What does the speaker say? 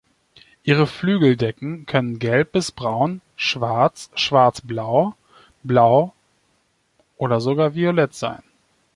Ihre Flügeldecken können gelb bis braun, schwarz, schwarzblau, blau oder sogar violett sein.